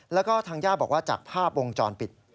แล้วก็ทางย่าบอกว่าจากภาพวงจรปิด